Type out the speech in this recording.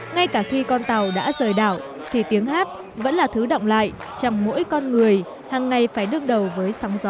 ngay cả khi con tàu đã rời đảo thì tiếng hát vẫn là thứ động lại trong mỗi con người hàng ngày phải đương đầu với sóng gió